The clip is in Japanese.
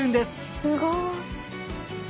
すごい。